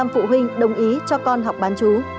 chín mươi phụ huynh đồng ý cho con học bán chú